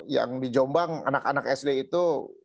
yang di jombang anak anak sd itu